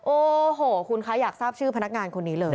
โอ้โหคุณคะอยากทราบชื่อพนักงานคนนี้เลย